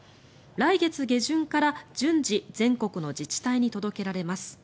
来月下旬から順次全国の自治体に届けられます。